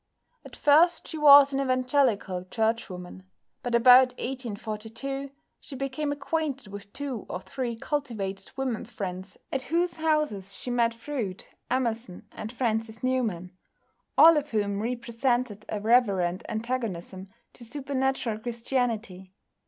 At first she was an evangelical churchwoman, but about 1842 she became acquainted with two or three cultivated women friends at whose houses she met Froude, Emerson, and Francis Newman, all of whom represented a reverent antagonism to supernatural Christianity.